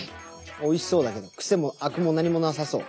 おいしそうだけどクセもあくも何もなさそう。